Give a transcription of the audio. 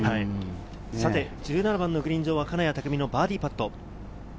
１７番のグリーン上は金谷拓実のバーディーパット。